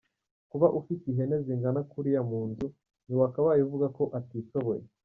Kuba ufite ihene zingana kuriya mu nzu ntiwakabaye uvuga ko atishoboye.